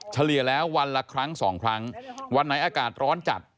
เฉลี่ยแล้ววันละครั้งสองครั้งวันไหนอากาศร้อนจัด